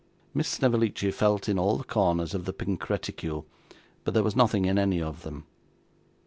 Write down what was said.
Miss Snevellicci felt in all the corners of the pink reticule, but there was nothing in any of them.